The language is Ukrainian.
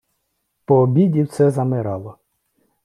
По обіді все замирало.